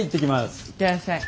行ってらっしゃい。